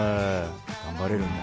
頑張れるんだ。